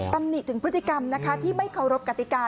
ตำหนิถึงพฤติกรรมนะคะที่ไม่เคารพกติกา